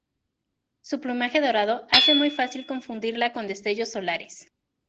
Su plumaje dorado hace muy fácil confundirla con destellos solares.